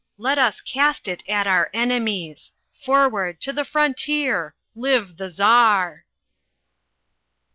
Let us cast it at our enemies. Forward! To the frontier! Live the Czar."